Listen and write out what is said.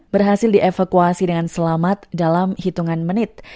berhasil dievakuasi dengan selamat dalam hitungan menit